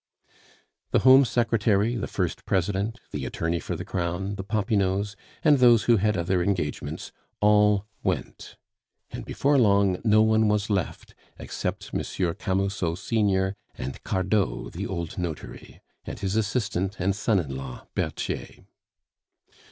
The Home Secretary, the First President, the attorney for the crown, the Popinots, and those who had other engagements, all went; and before long no one was left except M. Camusot senior, and Cardot the old notary, and his assistant and son in law Berthier.